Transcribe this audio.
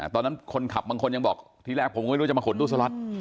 คนขับบางคนยังบอกทีแรกผมก็ไม่รู้จะมาขนตู้สล็อต